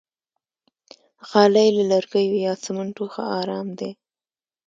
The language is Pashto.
غالۍ له لرګیو یا سمنټو ښه آرام دي.